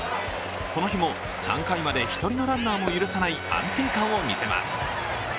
この日も３回まで１人のランナーも許さない安定感を見せます。